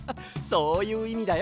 そういういみだよ。